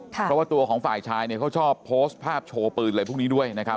เพราะว่าตัวของฝ่ายชายเนี่ยเขาชอบโพสต์ภาพโชว์ปืนอะไรพวกนี้ด้วยนะครับ